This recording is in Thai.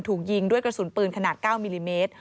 ถูกยิงด้วยกระสุนปืนขนาด๙มิลลิเมตร